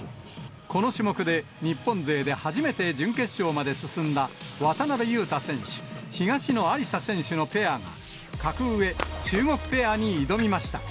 この種目で日本勢で初めて準決勝まで進んだ、渡辺勇大選手・東野有紗選手のペアが、格上、中国ペアに挑みました。